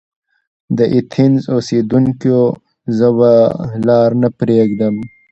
د ایتهنز اوسیدونکیو! زه به لار نه پريږدم.